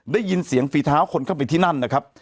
ได้ยินเสียงฝีเท้าคนเข้าไปที่นั่นนะครับ